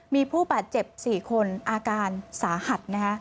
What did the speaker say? มีผู้บาดเจ็บ๔คนอาการสาหัส